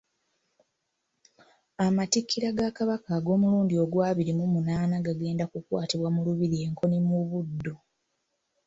Amatikkira ga Kabaka ag'omulundi ogw'abiri mu munaana gagenda kukwatibwa mu Lubiri e Nkoni mu Buddu.